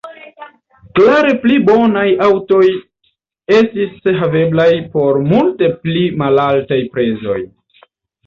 Klare pli bonaj aŭtoj estis haveblaj por multe pli malaltaj prezoj.